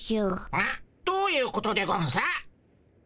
えっ？どういうことでゴンス？